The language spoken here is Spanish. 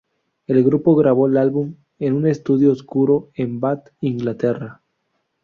El grupo grabó el álbum en un estudio oscuro en Bath, Inglaterra.